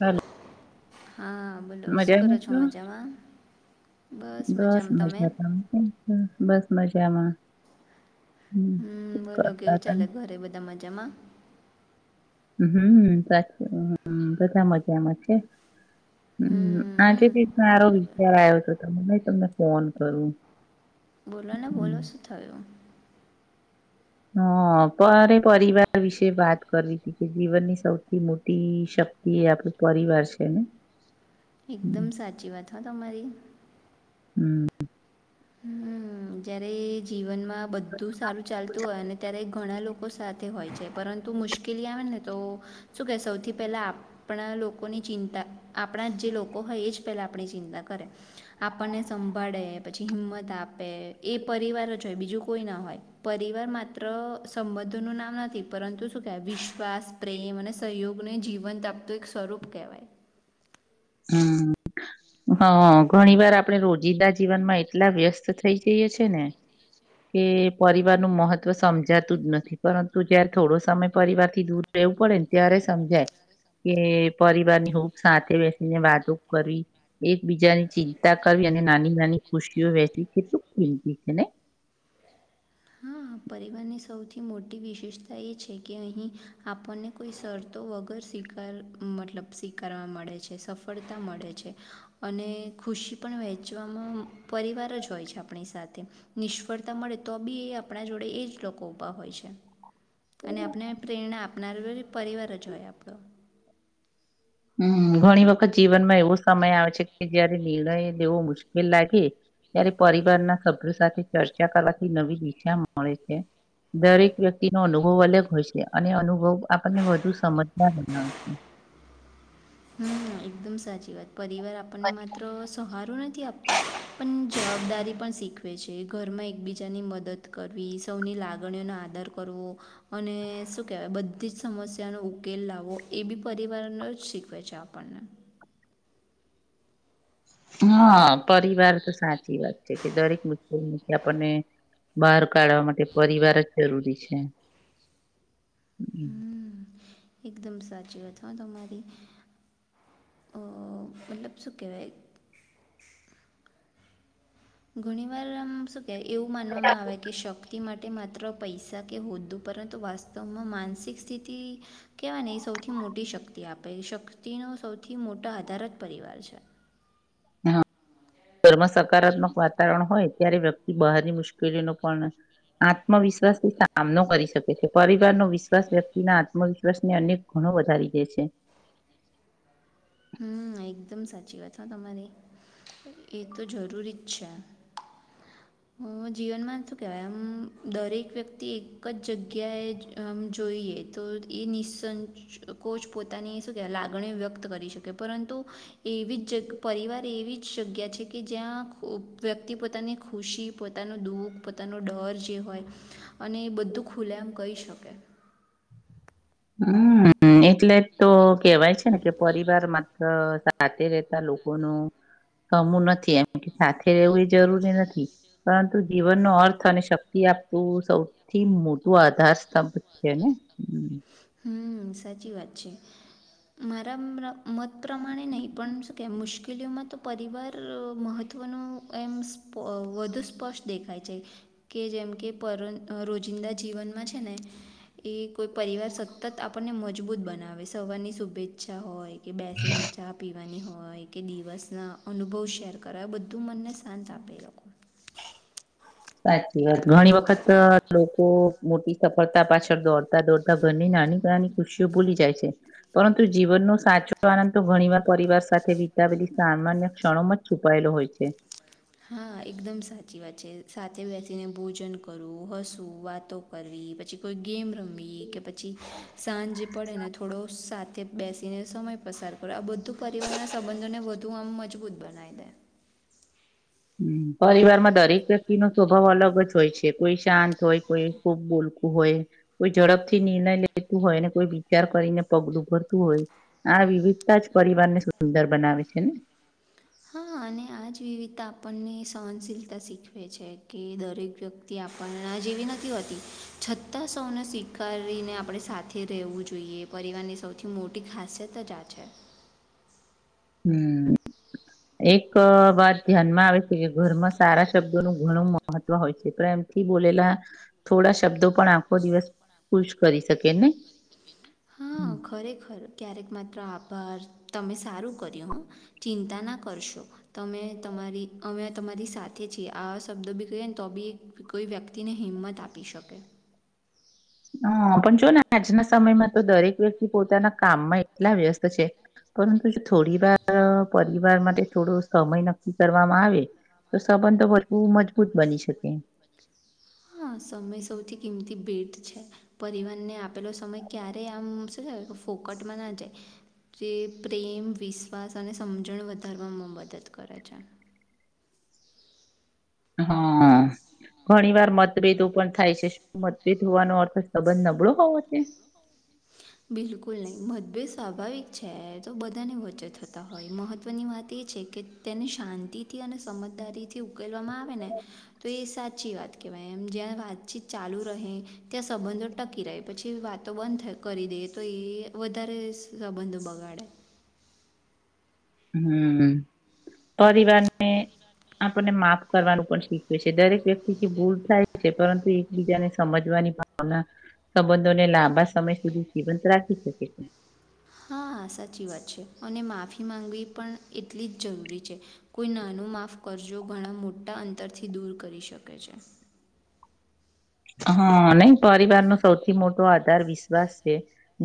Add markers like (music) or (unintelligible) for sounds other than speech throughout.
Hello હા, બોલો શું કરો છો મજામાં? બસ મજામાં, (unintelligible) બસ મજામાં હમ્મ. હમ, શું બોલો કરતા કેવું ચાલે તા? ઘરે બધા મજામાં? હમ (unintelligible) બધા મજામાં છે. હમ આજે એક સારો બોલો વિચાર આયો તો (unintelligible) તમને ફોન કરું બોલો ને બોલો હમ્મ. શું થયું? હ, પર પરિવાર વિશે વાત કરવી હતી કે જીવનની સૌથી મોટી. એ આપડ પરિવાર છેને. એકદમ સાચી વાત, હો તમારી. હમ. હમ્મ. જ્યારે જીવનમાં બધું સારું ચાલતું હોય, અને ત્યારે ઘણા લોકો સાથે હોય છે, પરંતુ મુશ્કેલી આવે નથી. તો શું કે સૌથી પહેલા આપણા લોકોની ચિંતા આપણા જે લોકો હોય, એ જ પહેલા આપણી ચિંતા કરે, આપણને સંભાળે પછી હિમત, આપે એ પરિવાર જ હોય, બીજું કોઈ ના હોય, પરિવાર માત્ર સંબધો નું નામ નથી, પરંતુ શું કહેવાય વિશ્વાસ, પ્રેમ અને સહયોગને જીવંત આપતું એક સ્વરૂપ કહેવાય. હમ હા, ઘણી વાર આપણે રોજિદા જીવનમાં એટલા વ્યસ્ત થઈ જઈએ છે ને કે પરિવાર નું મહત્વ સમજાતું જ નથી, પરંતુ જયારે થોડો સમય પરિવારથી, દૂર રહેવું પડે ને ત્યારે સમજાય કે પરિવારની હૂંફ સાથે ને વાતો કરવી એકબીજાની ચિંતા કરવી અને નાની નાની ખુશીઓ વહેચવી કેટલું (unintelligible) નઈ? હા, પરિવારની સૌથી મોટી વિશેષતા એ છે, કે અહીં આપણને કોઈ શરતો તો વગર સ્વીકારાવા મતલબ સ્વીકારવા મળે છે, સફળતા મળે છે, અને ખુશી પણ વહેંચવામાં પરિવાર જ હોય છે, આપણી સાથે નિષ્ફળતા મળે તો બી આપણા જોડે એ જ લોકો ઉભા હોય છે, અને આપણે પ્રેરણા આપનાર (unintelligible) પરિવાર જ હોય, આપણો ઘણી વખત જીવનમાં એવો સમય આવે છે, કે જયારે નિર્ણય લેવો મુશ્કેલ લાગે ત્યારે પરિવારના સભ્યો સાથે ચર્ચા કરવાથી નવી દિશા મળે છે. દરેક વ્યક્તિ નો અનુભવ અલગ હોય છે, અને અનુભવ આપણને વધુ સમજદાર બનાવે છે. (unintelligible) હમ, એકદમ સાચી વાત પરિવાર આપણને માત્ર સહારો નથી, આપતો પણ જવાબદારી પણ શીખવે છે, ઘરમાં એકબીજાની મદદ કરવી સૌની લાગણીઓનો આધાર કરવો અને શું કહેવાય બધી જ, સમસ્યાનો ઉકેલ લાવો એ બી પરિવારનો જ શીખ ઉપજ પણણ હા, પરિવાર તો સાચી વાત છે, કે દરેક મુશ્કેલથી આપણને બહાર કાઢવા માટે પરિવાર જ જરૂરી છે. હમમ. હમ એકદમ સાચી કરતો તમારી. મતલબ સુકેે. ઘણી વાર આમ શું કે, એવું માનવામાં આવે કે શક્તિ માટે. માટે માત્ર પૈસા કે હોદ્દું, પરંતુ વાસ્તવમાં માનસિક સ્થિતિ કેહેવાય એ સૌથી મોટી શક્તિ, આપે શક્તિનો સૌથી મોટા આધારત પરિવાર છે હા, ઘરમાં સકારાત્મક વાતાવરણ હોય ત્યારે વ્યક્તિ, બહારની મુશ્કેલીનો પણ આત્મવિશ્વાસથી સામનો કરી શકે છે, પરિવાર ન વિશ્વાસ વ્યક્તિના આત્મવિશ્વાસ ને અનેક ગણ વધારી દે છે. હમ, એકદમ સાચી વાત હ, તમારી એ, તો જરૂરી જ છે. (inaudible) હ, જીવનમાં શું કહેવાય, આમ દરેક વ્યક્તિ એક જ જગ્યાએ આમ જોઈએ તો એ નિસ કોચ પોતાની, શું કે લાગણીઓ વ્યક્ત કરી શકે પરંતુ એવી જ પરિવાર એવી જ જગ્યા છે, કે જ્યાં વ્યક્તિ પોતાની પોતાની ખુશી પોતાનું દુઃખ પોતાનો ડર જે હોય, અને એ બધું ખુલે એમ કહી શકે હમ હા એટલે તો કેવાય છેને, કે પરિવાર માત્ર સાથે રહેતા લોકો ન કમું નથી એમ સાથે રહેેવું એ જરૂરી નથી, પરંતુ જીવનનો અર્થ અને શક્તિ આપું સૌથી મોટું આધાર સ્તંભ છેને, હ હમ સાચી વાત છે, મારા મત પ્રમાણે નહીં, પણ શું કેહેમ મુશ્કેલ ખેલીઓમાં, તો પરિવાર મહત્ત્વનું એમ વધુ સ્પષ્ટ દેખાય છે કે જેમ કે પર રોજિંદા જીવનમાં છેને, એ કોઈ પરિવાર સ સતત આપણને મજબૂત બનાવે સવારની શુભેચ્છા હોય, કે બેસીને ચા પીવાની હોય હોય, કે દિવસના અનુભવ શેર કરાય બધું મનને શાંત આપે લોકો (inaudible) સાચી વાત ઘણી, વખત લોકો મોટી સફળતા પાછળ દોડતા દોડતા ઘણી ના ની ખુશી ભૂલી જાય છે, પરંતુ જીવનનો સાચો આનંદ તો ઘણી વાર પરિવાર સાથે બધી સામાન્ય ક્ષણોમાં જ છુપાયેલો હોય છે. હા, એકદમ સાચી વાત છે, સાથે બેસીને ભોજન કરવું હસવ વાતો કરવી પછી કોઈ, ગેમ રમ કે પછી સાંજે પડેને થોડો સાથે બેસીને સમ પસાર કરો આ બધું પરિવારના સંબંધોને વધુ, આમ મજબૂત બનાવી દે (inaudible) હ, પરિવારમાં દરેક વ્યક્તિ નો સ્વભાવ અલગ જ હોય છે કોઈ શાંત હોય, કોઈ ખુબ બૂલ હો હોય, કોઈ ઝડપથી નિર્ણય લેતું હોય, કોઈ વિચાર કરીને પગલું ભરતું હોય આ વિવિધતા, જ પરિવારને સુંદર બનાવે છેને. હા અને આ જ વિવિધતા આપણને સહનશીલતા શીખવે છે, કે દરેક વ્યક્તિ આપણણા જ જેવી નથી હોતી, છતાં સૌનસીિક કરીને આપણે સાથે રહેવું જોઈએ, પરિવારની સૌથી મોટી ખાસિયત જ આ છે. હમ એક વાત ધ્યાનમાં આવે છે, કે ઘરમાં સારા શબ્દોનું ઘણું મહત્વ હોય છે, પણ એમ થી, બોલેલા થોડા શબ્દો પણ આખો દિવસ ખુશ કરી શકે ને હા, હમ ખરેખર ક્યારેક માત્ર આપ તમે સારું કર્યું, હ ચિંતા ના કરશો તમે તમારી અમે તમા મારી સાથે છે, આવા શબ્દો બી ક ને, તો બી કોઈ વ્યક્તિને હિંમત આપી શકે (inaudible) હ પણ, જો ને આજના સમયમાં, તો દરેક વ્યક્તિ પોતાના કામમાં એટલા વ્યસ્ત છે. પરંતુ, જો થોડી વાર પરિવાર માટે થોડો સમય નક્કી કરવામાં આવે તો સંબંધ, તો વધુ મજબૂત બની શકે હા, સમય સૌથી કિંમતી ભ બેટ છે, પરિવારને આપેલો સમય ક્યારે આમશે ફોકટ મના છેે. જે પ્રેમ વિશ્વાસ અને સમજણ વધારવામાં મદદ કરે છે. હા. ઘણી વાર મતભેદો પણ થાય છે, શું મતભેદ હોવાનો અર્થ સંબંધ નબળો હોવો, તે (inaudible) બિલકુલ નહી, મતભેદ સ્વાભાવિક છે, તો બધાને વચ્ચે થતા હોય મહત્વની વાત એ કે, તેને શાંતિથી અને સમજદારીથી ઉકેલવામાં આવે, ને તો એ સાચી વાત કેવાય એમ જ્યાં વાતચીત ચાલુ રહે, ત્યાં સંબંધો ટકી રહે પછી, વાતો બંધ થઈ કરી, દે તો એ વધારે સંબંધો બગાડે હમ, પરિવારને આપણને માફ કરવાનું પણ શીખવે છે, દરેક વ્યક્તિથી ભૂલ થાય છે, પરંતુ એકબીજાને સમજવા ભાવના સંબંધોને લાંબા સમય સુધી જીવંત રાખી શકે છે. હા, સાચી વાત છે, અને માફી માંગવી પણ એટલી જ જરૂરી છે, કોઈ ના માફ કરજો ઘણા, મોટા અંતરથી દૂર કરી શકે છે. (inaudible) હા, નહી પરિવાર નો સૌથી મોટો આધાર વિશ્વાસ છે,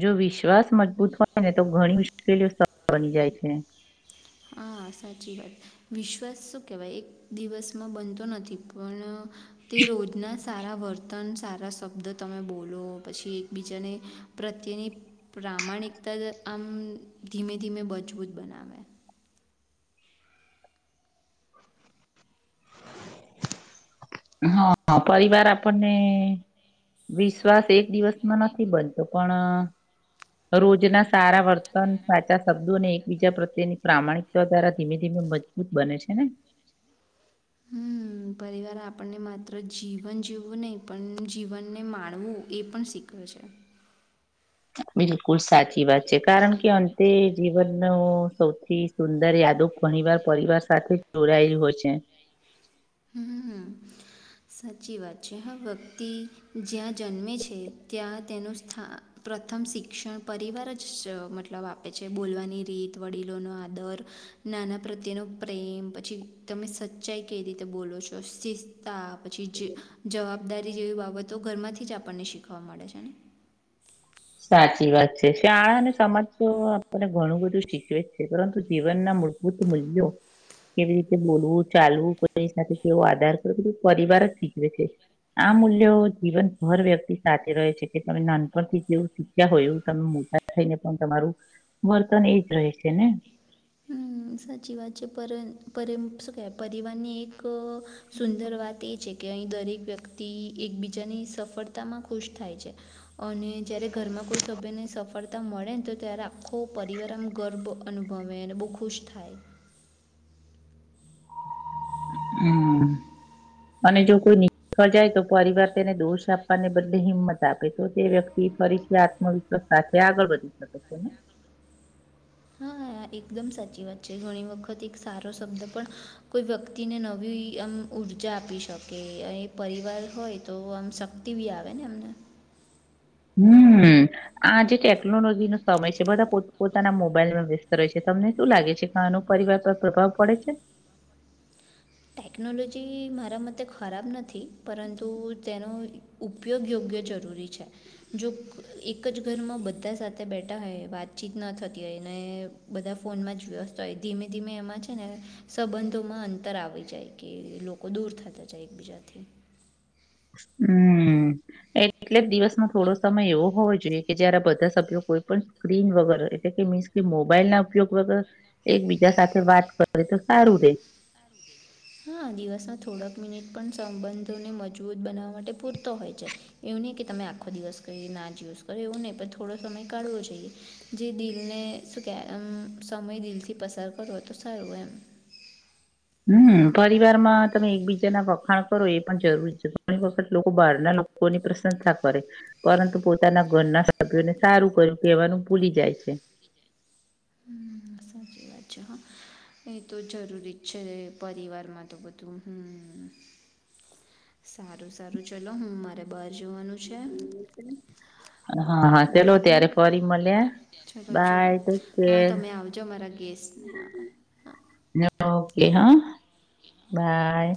જો વિશ્વાસ મજબૂત વાય ને, તો ઘણી મુશ્કેલીઓ સળ બની જાય છે. હા હા, સાચી વાત વિશ્વાસ શું કહેવાય એક દિવસમાં બનતો નથી, પણ તે રોજના સારા વર્ત પતન સારા શબ્દો, તમે બોલો પછી એકબીજાને પ્રત્યેની પ્રામાણિક તર આમ ધીમે, ધીમે મજબૂત બનાવે. હા, હ પરવાર આપણને વિશ્વાસ, એક દિવસમાં નથી, બનતો પણ રોજના, સારા વર્તન સાચા શબ્દો અને એકબીજા પ્રત્યેની પ્રામાણિકતા દ્વારા ધીમે, ધીમે મજબૂત, બને છેને. હમ, પરિવાર આપ આપણને માત્ર જીવન જીવવું નહીં, પણ જીવનને માણવું એ પણ શીખે છે. બિલકુલ સાચી વાત છે, કારણ કે અંતે જીવનનો સૌથી સુંદર દ ઘણી વાર પરિવાર સાથે જોડાયેલ હો, છે. હમ સાચી વાત છે, હા વ્યક્તિ જ્યાં જન્મે છે, ત્યાં તેનું સ્થાન પ્રથમ શિક્ષણ પરિવાર જ મતલબ આપે છે, બોલવાની રીત વડીલોનો આદર નાના પ્રત્યેનોો પ્રેમ પછી તમે સચ્ચાઈ ક. રી બોલો છો, સસ્તા પછી જવાબ જવાબદારી જેવી બાબતો ઘરમાંથી જ, આપણને શીખવા મળે છેને. સાચી વાત છે, શાળા અને સમાજ તો આપને ઘણું બધું શીખવે જ છે, પરંતુ જીવનના પૂત મ્યો કેવી રીતે બોલવું ચાલવું કોઈ સાથે કેવો, આધાર કરો કે પરિવાર જ શીખવે છે. આ મૂલ્યો જીવનભર વ્યક્તિ સાથે રહે છે, કે તમે નાનપણથી જેવું (unintelligible) હોય એવું તમે મોટા થઈને, પણ તમારું વર્તન એજ રહે છેને. સચી વાત પર પર પરિવાની એક સુંદર વાત, એ છે. કે અહીં, દરેક વ્યક્તિ એકબીજાની સફળતા માં ખુશ થાય છે. અને જયારે, ઘરમાં કોઈ સભ્યને સફળ તા મળે ને, તો ત્યારે આખો પરિવાર આમ ગર્વ અનુભવે અને બહુ ખુશ થા થાય હમ, અને જો કોઈ થ જાય, તો પરિવાર તેને દોષ આપવાને બદલે હિંમત આપે તો તે વ્યક્તિ ફરીથી આત્મવિશ્વાસ સાથે, આગળ વધી શકે છેને. હા એકદમ સાચી વાત છે, ઘણી વખત એક સારો શબ્દ પણ કોઈ વ્યક્તિને નવી, આમ ઉર્જા આપી શકે એ પરિવાર હોય, તો આમ શક્તિ બી આવે ને એમને હમ્મ. આ જે ટેકનોલોજીનો સમય છે, બધા પો પોતાના મોબાઈલમાં વ્યસ્ત રહે છે, તમને શું લાગે છે, કે આનું પરિવાર પર પ્રભાવ પડે છે. ટેકનોલોજી મારા મતે ખરાબ નથી, પરંતુ તેનો ઉપયોગ યોગ્ય જરૂર. જો એક જ ઘરમાં બધા સાથે બેઠા હોય, વાતચીત ન થતી, હોય ને. બધા ફોનમાં જ વ્યસ્ત હોય, ધીમે ધીમે એમાં છેને, સંબંધોમાં અંતર આવે જાય કે લોકો દૂર થતા, જાય એકબીજાથી હમ્મ, એટલે જ દિવસમાં થોડો સમય એવો હોવો જોઈએ, કે જયારે બધા સભ્યો કોઈ, પણ સ્ક્રીન વગર એટલે કે મીન્સ કે મોબાઈલના ઉપયોગ, વગર એક બીજા સાથે વાત કરે તો સારું રે હા, દિવસના થોડાક મિનિટ પણ સંબંધોને મજબૂત બનાવવા માટે પૂરતો હોય છે, એ હીને, કે તમે આખો દિવસ ક ના જ યુઝ કરો એવું નહીં, પણ થોડો સમય કાઢવો જોઈએ જે દિલને શું કેમ સમય દિલ થી, પસાર કરો તો સારું એમ (inaudible) હમ પરિવારમાં તમે એકબીજાના વખાણ કરો એ પણ જરૂરી છે, ઘણી વખત લોકો બહાર ના લોકો ની પ્રશંસા કરે પરંતુ પોતાના ઘરના, સભ્યોને સારું કર્યું કહેવાનું ભૂલી જાય છે. (inaudible) હમ, સાચી વાત છે (unintelligible) એ તો જરૂરી જ છે, પરિવારમાં તો બધું હમ (inaudible) સારું સારું ચલો હું, મારે બાર જોવાનું છે હા, હા ચલો ખરું હમ ત્યારે ફરી મળ્યા ચલો ચલો, બાય ટેક હા કેર તમે આવજો મારા ગેસ્ટને હા, હા ઓકે, હા બાય